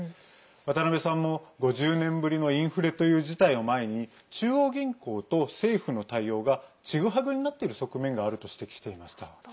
渡辺さんも５０年ぶりのインフレという事態を前に中央銀行と政府の対応がちぐはぐになっている側面があると指摘していました。